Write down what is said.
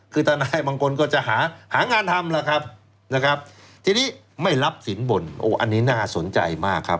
คือทนายบางคนก็จะหาหางานทำล่ะครับนะครับทีนี้ไม่รับสินบนโอ้อันนี้น่าสนใจมากครับ